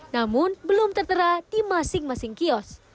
namun belum tertera di masing masing kios